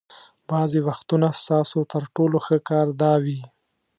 بعضې وختونه ستاسو تر ټولو ښه کار دا وي.